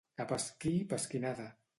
A pasquí, pasquinada.